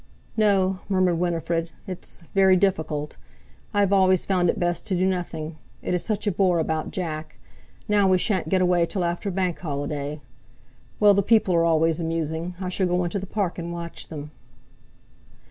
"No," murmured Winifred; "it's—very difficult. I always found it best to do nothing. It is such a bore about Jack; now we shan't get away till after Bank Holiday. Well, the people are always amusing, I shall go into the Park and watch them."